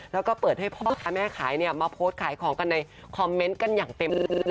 แล้วก็เปิดให้พ่อค้าแม่ขายมาโพสต์ขายของกันในคอมเมนต์กันอย่างเต็ม